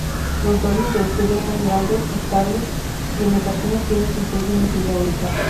Los dolly de estudio son grandes, estables y, en ocasiones, tienen suspensiones hidráulicas.